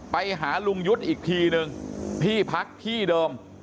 ไปหาลุงยุทธ์อีกทีนึงที่พักที่เดิม